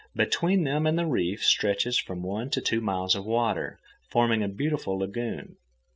Between them and the reef stretches from one to two miles of water, forming a beautiful lagoon.